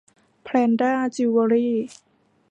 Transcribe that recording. แพรนด้า จิวเวลรี่